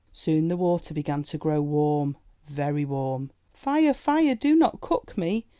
Soon the water began to grow warm, very warm. 'Tire! Fire! Do not cook me!"